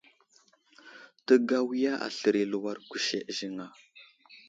Təgawiya aslər i aluwar kuseɗ ziŋ a ?